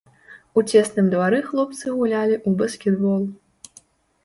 У цесным двары хлопцы гулялі ў баскетбол.